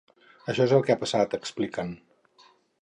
Això és el que ha passat, expliquen.